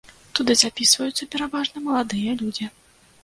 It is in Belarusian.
Туды запісваюцца пераважна маладыя людзі.